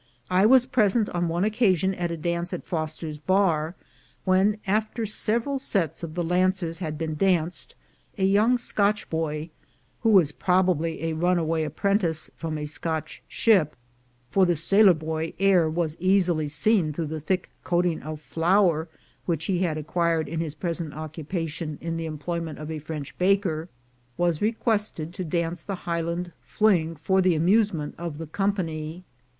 I was present on one occasion at a dance at Foster's Bar, when, after several sets of the lancers had been danced, a 3^oung Scotch boy, who was probably a runaway apprentice from a Scotch ship — for the sailor boy air was easily seen through the thick coat ing of flour which he had acquired in his present IN LIGHTER MOOD 305 occupation in the employment of a French baker — was requested to dance the Highland fling for the amusement of the company.